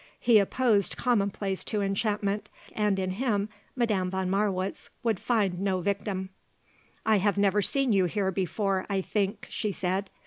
He opposed commonplace to enchantment, and in him Madame von Marwitz would find no victim. "I have never seen you here before, I think," she said.